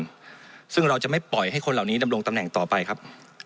ซึ่งเราจะไม่ปล่อยให้คนเหล่านี้ดำรงตำแหน่งต่อไปครับ